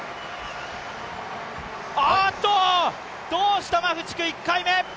あーっと、どうしたマフチク１回目。